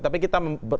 tapi kita membahas